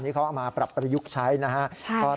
นี่เขามาปรับประยุกต์ใช้นะฮะ